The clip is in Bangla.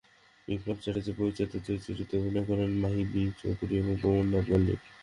বিপ্লব চ্যাটার্জি পরিচালিত চলচ্চিত্রটিতে অভিনয় করেন মাহি বি চৌধুরী এবং প্রমথনাথ মল্লিক।